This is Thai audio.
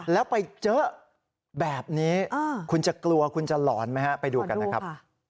แล้วไปเจอแบบนี้คุณจะกลัวคุณจะหลอนไหมฮะไปดูกันนะครับ